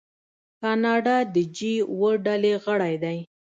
کاناډا د جي اوه ډلې غړی دی.